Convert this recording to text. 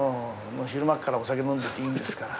昼間っからお酒飲んでていいんですから。